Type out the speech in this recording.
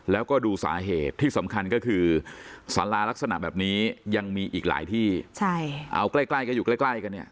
แล้วก็ดูสาเหตุที่สำคัญก็คือสาราลักษณะแบบนี้ยังมีอีกหลายที่เอาใกล้ใกล้ก็อยู่ใกล้กันเนี่ย